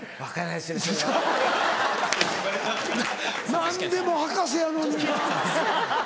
何でも博士やのにな。